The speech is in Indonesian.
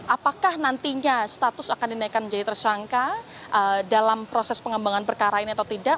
apakah nantinya status akan dinaikkan menjadi tersangka dalam proses pengembangan perkara ini atau tidak